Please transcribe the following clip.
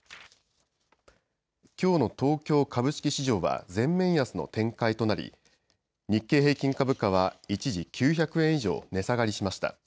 きょうの東京株式市場は全面安の展開となり日経平均株価は一時、９００円以上、値下がりしました。